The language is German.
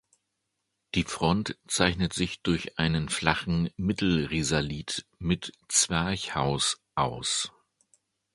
Die Front zeichnet sich durch einen flachen Mittelrisalit mit Zwerchhaus aus.